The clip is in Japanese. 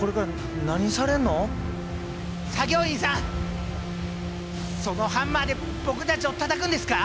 作業員さんそのハンマーで僕たちをたたくんですか！？